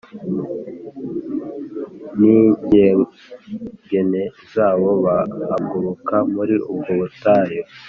N ingegene zabo Bahaguruka muri ubwo butayu